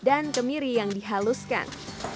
dan kemiri yang dihaluskan